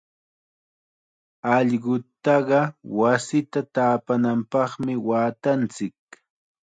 Allqutaqa wasita taapananpaqmi waatanchik.